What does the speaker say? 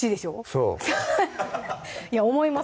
そういや思います